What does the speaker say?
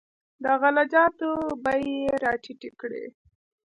د غله جاتو بیې یې راټیټې کړې.